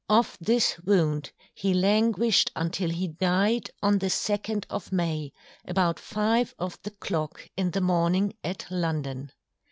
Of this Wound he Languished until he Dyed on the Second of May, about five of the Clock in the Morning at London.